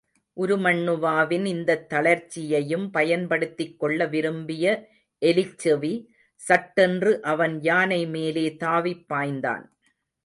உருமண்ணுவாவின் இந்தத் தளர்ச்சியையும் பயன்படுத்திக் கொள்ள விரும்பிய எலிச்செவி, சட்டென்று அவன் யானை மேலே தாவிப் பாய்ந்தான்.